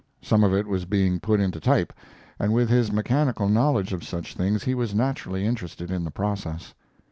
Some of it was being put into type, and with his mechanical knowledge of such things he was naturally interested in the process.